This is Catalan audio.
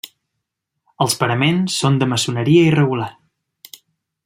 Els paraments són de maçoneria irregular.